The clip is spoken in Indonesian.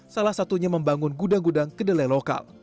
salah satunya membangun gudang gudang kedelai lokal